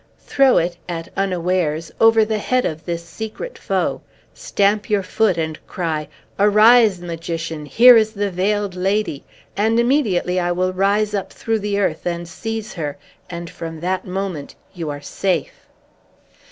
Throw it, at unawares, over the head of this secret foe, stamp your foot, and cry, 'Arise, Magician! Here is the Veiled Lady!' and immediately I will rise up through the earth, and seize her; and from that moment you are safe!"